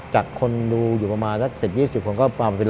จากคนดูอยู่ประมาณสัก๑๐๒๐คนเราก็ไว้เป็น๑๐๐